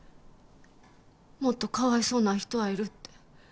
もっとかわいそうな人はいるって。